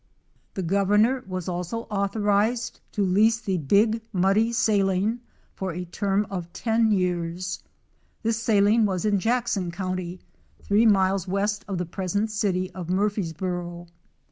The Gov ernor was also authorized to lease the Big Muddy Saline for a term of ten years. This saline was in Jackson county, three miles west of the present city of Murphysboro.